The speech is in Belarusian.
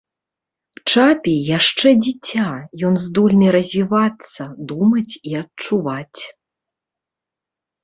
Чапі яшчэ дзіця, ён здольны развівацца, думаць і адчуваць.